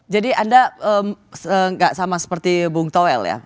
jadi anda gak sama seperti bung toel ya